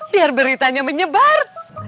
biar beritanya menyebar